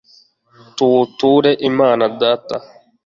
tuwuture imana data